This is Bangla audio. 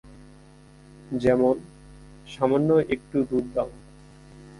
যেমনঃ সামান্য একটু দুধ দাও।